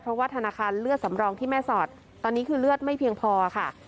เพราะว่าธนาคารเลือดสำรองที่แม่สอดตอนนี้คือเลือดไม่เพียงพอค่ะ